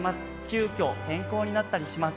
急きょ、変更になったりします。